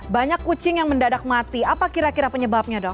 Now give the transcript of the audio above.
banyak kucing yang mendadak mati apa kira kira penyebabnya dok